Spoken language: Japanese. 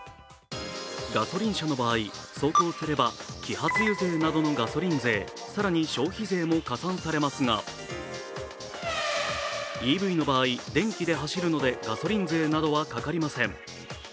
ガソリン車の場合、走行すれば揮発油税などのガソリン税、更に消費税も加算されますが、ＥＶの場合、電気で走るのでガソリン税などはかかりません。